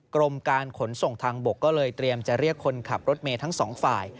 กรมการขนส่งทางบกก็เลยเตรียมจะเรียกคนขับรถเมย์ทั้งสองฝ่าย